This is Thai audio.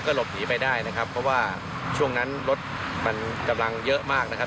หลบหนีไปได้นะครับเพราะว่าช่วงนั้นรถมันกำลังเยอะมากนะครับ